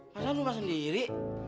padahal lo rumah sendiri